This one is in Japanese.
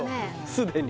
すでに？